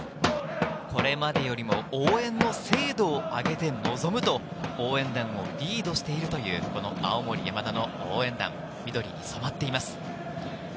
これまでよりも応援の精度を上げて臨むと応援団もリードしている青森山田の応援団、緑に染まっています。